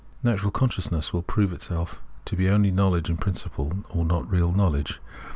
Natural consciousness will prove itself to be only knowledge in principle or not real knowledge.